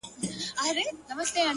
وخت د هر چا لپاره برابر دی.